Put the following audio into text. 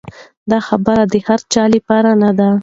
دا خبره د هر چا لپاره نه ده.